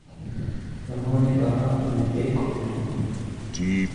انہوں نے کہا: میں دیکھ لیتا ہوں۔